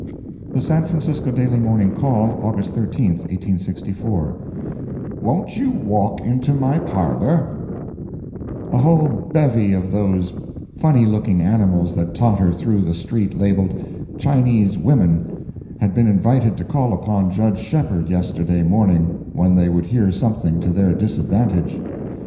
The San Francisco Daily Morning Call, August 13, 1864 "WON'T YOU WALK INTO MY PARLOR A whole bevy of those funny looking animals that totter through the Street labelled "Chinese Women," had been invited to call upon Judge Shepheard yesterday morning, when they would hear something to their disadvantage.